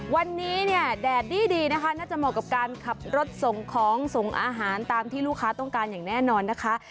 วันนี้เนี่ยแดดดีนะคะน่าจะเหมาะกับการขับรถส่งของส่งอาหารตามที่ลูกค้าต้องการอย่างแน่นอนนะคะ